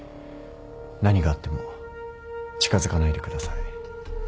何があっても近づかないでください。